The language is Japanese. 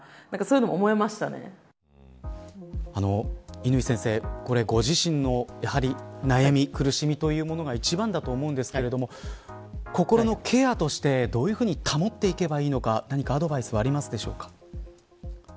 乾先生、ご自身の悩み、苦しみというものが一番だと思うんですけれども心のケアとしてどういうふうに保っていけばいいのか何かアドバイスはありますか。